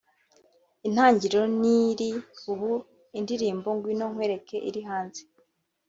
itangiriro n’iri ubu indirimbo Ngwino nkwereke iri hanze